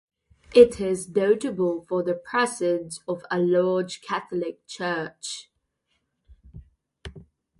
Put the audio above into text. It is notable for the presence of a large Catholic church.